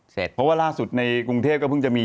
เพราะว่าล่าสุดในกรุงเทพก็เพิ่งจะมี